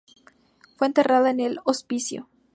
Fue enterrada en el Hospicio.